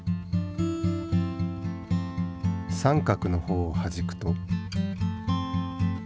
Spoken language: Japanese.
三角の方をはじくと。